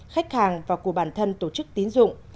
khách hàng và của bản thân tổ chức tín dụng